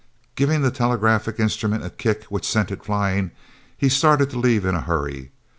Giving the telegraphic instrument a kick which sent it flying, he started to leave in a hurry.